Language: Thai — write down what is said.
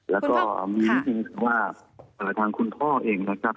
แล้วก็มีนิดนึงว่าทางคุณพ่อเองนะครับ